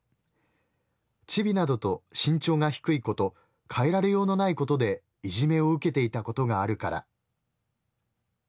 チビなどと身長が低いこと変えられようのないことでいじめを受けていたことがあるから。